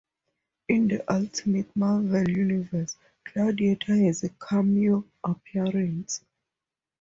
In the Ultimate Marvel universe, Gladiator has a cameo appearance.